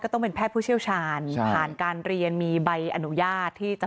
ต้องเป็นแพทย์ผู้เชี่ยวชาญผ่านการเรียนมีใบอนุญาตที่จะ